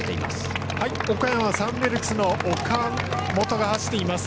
岡山、サンベルクスの岡本が走っています。